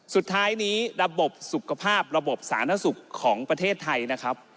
สุดท้ายนี้ระบบสุขภาพระบบสาธารณสุขของประเทศไทยนะครับ